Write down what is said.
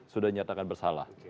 sudah dinyatakan bersalah